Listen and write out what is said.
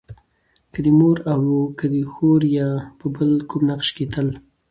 که د مور او که د خور يا په بل کوم نقش کې تل